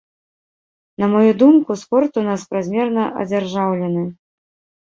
На маю думку, спорт у нас празмерна адзяржаўлены.